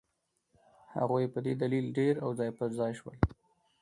هغوی په دې دلیل ډېر او ځای پر ځای شول.